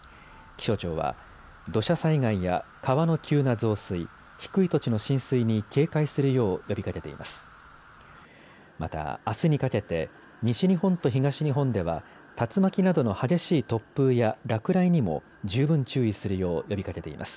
気象庁は土砂災害や川の急な増水、低い土地の浸水に警戒するよう呼びかけています。